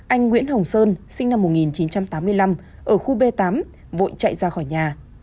anh nguyễn hồng sơn sinh năm một nghìn chín trăm tám mươi năm ở khu b tám vội chạy ra khỏi nhà